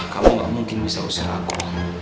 kamu gak mungkin bisa usir aku